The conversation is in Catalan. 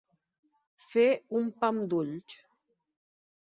Fer un pam d'ulls.